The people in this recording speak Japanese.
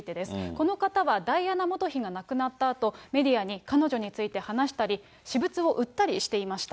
この方は、ダイアナ元妃が亡くなったあと、メディアに彼女について話したり、私物を売ったりしていました。